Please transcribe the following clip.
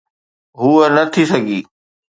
هوءَ نه ٿي سگهي.